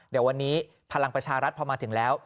เดี๋ยววันนี้พลังประชารัฐพอมาถึงแล้ว